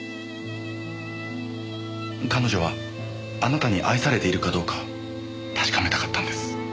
彼女はあなたに愛されているかどうか確かめたかったんです。